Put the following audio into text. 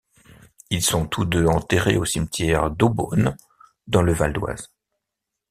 Ils sont tous deux enterrés au cimetière d'Eaubonne, dans le Val-d'Oise.